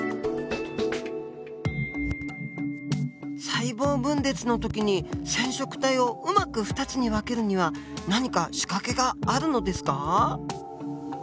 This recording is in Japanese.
細胞分裂の時に染色体をうまく２つに分けるには何か仕掛けがあるのですか？